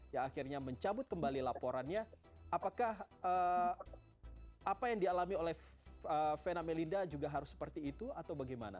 yang akhirnya mencabut kembali laporannya apakah apa yang dialami oleh vena melinda juga harus seperti itu atau bagaimana